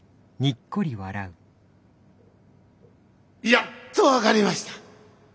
やっと分かりました。